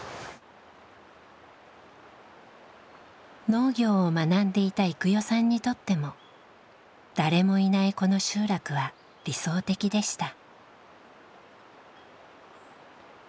農業を学んでいた郁代さんにとっても誰もいないこの集落は理想的でした。